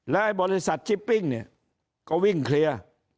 และบริษัทชิปปิ้งเนี่ยก็วิ่งเคลียร์